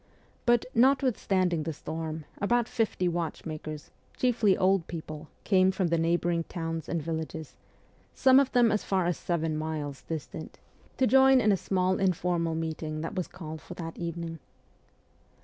But, notwithstanding the storm, about fifty watchmakers, chiefly old people, came from the neighbouring towns and villages some of them as far as seven miles distant to join 72 MEMOIRS OF A REVOLUTIONIST in a small informal meeting that was called for that evening.